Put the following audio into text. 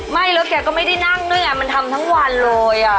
ไม่แล้วแกก็ไม่ได้นั่งด้วยไงมันทำทั้งวันเลย